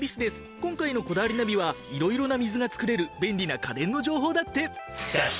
今回の『こだわりナビ』は色々な水が作れる便利な家電の情報だって！